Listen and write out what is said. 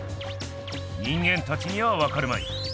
人間たちにはわかるまい。